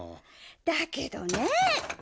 だけどねぇ。